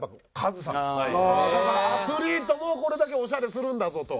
アスリートもこれだけオシャレするんだぞと。